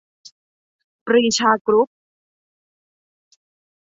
ปรีชากรุ๊ป